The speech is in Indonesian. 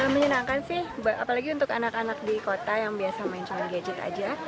menyenangkan sih apalagi untuk anak anak di kota yang biasa main calon gadget aja